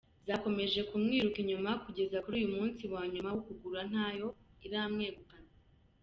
Zakomeje kumwiruka inyuma kugeza kuri uyu munsi wa nyuma wokugura ntayo iramwegukana.